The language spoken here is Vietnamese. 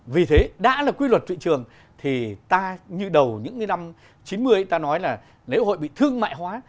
vì thế đã là quy luật thị trường thì ta như đầu những cái năm chín mươi ấy ta nói là lễ hội bị thương mại hóa